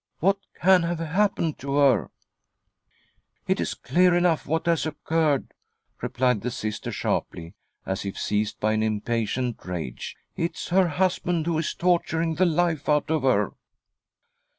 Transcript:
What can. have happened to her ?"" It's clear enough what has occurred," replied the Sister sharply, as if seized by an impatient rage ; "it's her husband who' is torturing the life out of her."